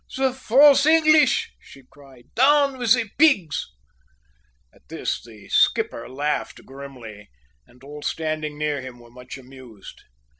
"Ah! the false English," she cried, "down with the pigs!" At this the skipper laughed grimly, and all standing near him were much amused.